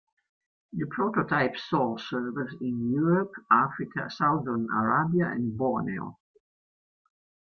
The prototype saw service in Europe, Africa, Southern Arabia and Borneo.